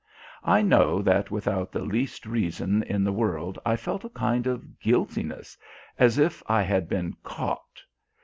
I know that without the least reason in the world I felt a kind of guiltiness, as if I had been "caught."